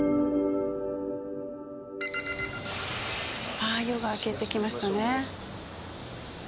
あっ夜が明けてきましたね。